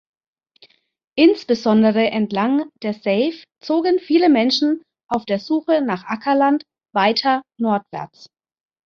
Insbesondere entlang der Save zogen viele Menschen auf der Suche nach Ackerland weiter nordwärts.